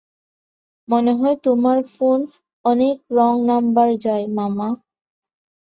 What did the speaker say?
মনে হয় তোমার ফোন অনেক রঙ নাম্বারে যায়, মামা।